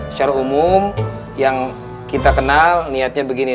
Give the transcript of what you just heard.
secara umum yang kita kenal niatnya begini